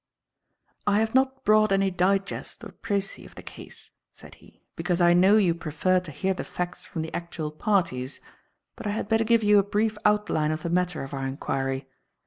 "I have not brought any digest or precis of the case," said he, "because I know you prefer to hear the facts from the actual parties. But I had better give you a brief outline of the matter of our inquiry.